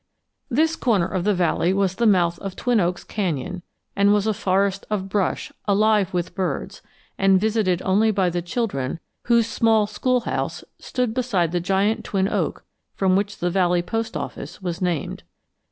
This corner of the valley was the mouth of Twin Oaks Canyon, and was a forest of brush, alive with birds, and visited only by the children whose small schoolhouse stood beside the giant twin oak from which the valley post office was named.